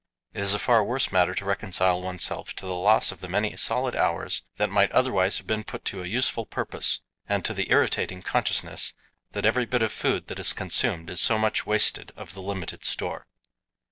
It is a far worse matter to reconcile oneself to the loss of the many solid hours that might otherwise have been put to a useful purpose, and to the irritating consciousness that every bit of food that is consumed is so much wasted of the limited store.